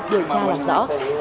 điều tra làm rõ